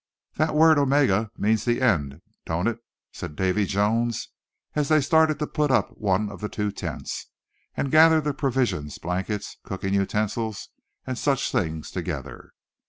"That word Omega means the end, don't it?" said Davy Jones, as they started to put up one of the two tents, and gather the provisions, blankets, cooking utensils and such things together.